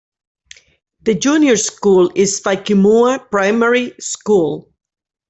The junior school is Faikimua Primary School.